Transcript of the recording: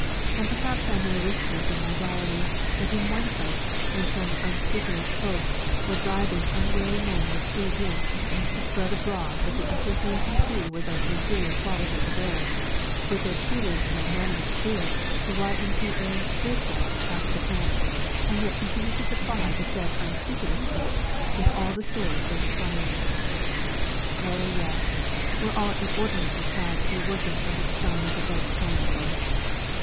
And perhaps I may whisper it in my diary that in one place, when some unscrupulous folk were bribing unwary men with free drinks to spread abroad that the Association tea was of an inferior quality to theirs, with their truly magnanimous spirit the Y.M.C.A. did walk out of the camp, and yet continued to supply the said unscrupulous folk with all the stores they required. Oh, yes, we're all inordinately proud to be working under the sign of the Red Triangle!